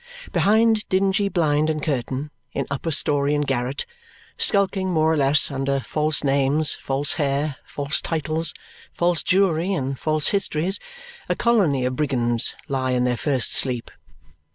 Behind dingy blind and curtain, in upper story and garret, skulking more or less under false names, false hair, false titles, false jewellery, and false histories, a colony of brigands lie in their first sleep.